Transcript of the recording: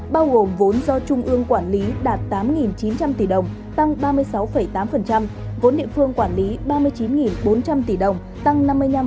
bao gồm vốn do trung ương quản lý đạt tám chín trăm linh tỷ đồng tăng ba mươi sáu tám vốn địa phương quản lý ba mươi chín bốn trăm linh tỷ đồng tăng năm mươi năm